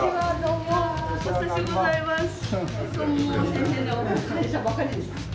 お久しゅうございます。